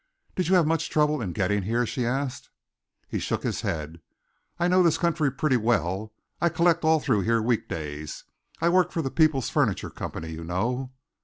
"Did you have much trouble in getting here?" she asked. He shook his head. "I know this country pretty well. I collect all through here week days. I work for the Peoples' Furniture Company, you know."